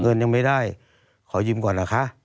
เงินยังไม่ได้ขอยืมก่อนเหรอคะ